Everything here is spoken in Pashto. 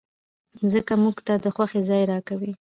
مځکه موږ ته د خوښۍ ځای راکوي.